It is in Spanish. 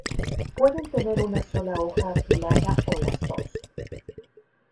Pueden tener una sola hoja afilada o las dos.